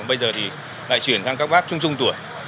bây giờ thì lại chuyển sang các bác trung trung tuổi